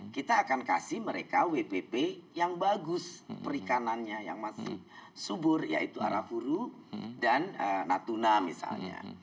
kita akan kasih mereka wpp yang bagus perikanannya yang masih subur yaitu arafuru dan natuna misalnya